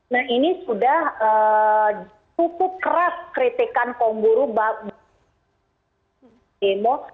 nah ini sudah cukup keras kritikan kaum buruh demo